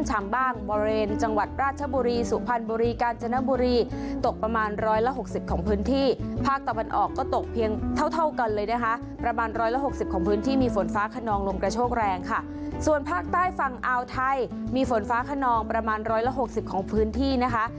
กันเลยนะคะประมาณร้อยละหกสิบของพื้นที่มีฝนฟ้าขนองลงกระโชคแรงค่ะส่วนภาคใต้ฝั่งอาวไทยมีฝนฟ้าขนองประมาณร้อยละหกสิบของพื้นที่นะคะ